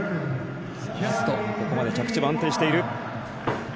ここまで着地も安定している。